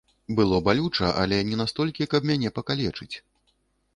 Было балюча, але не настолькі, каб мяне пакалечыць.